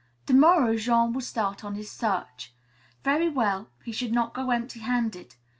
To morrow Jean would start on his search. Very well, he should not go empty handed.